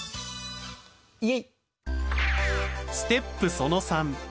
イエイ！